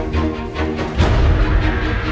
kau bisa jatuh sih